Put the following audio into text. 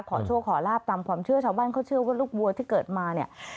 ขอโชคขอลาบตามความเชื่อชาวบ้านเขาเชื่อว่าลูกวัวที่เกิดมาเนี่ย